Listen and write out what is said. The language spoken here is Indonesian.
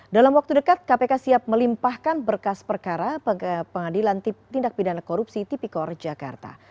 dalam waktu dekat kpk siap melimpahkan berkas perkara ke pengadilan tindak pidana korupsi tipikor jakarta